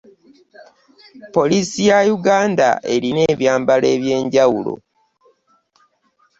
Pollisi ya Uganda erina ebyambalo eby’enjawulo.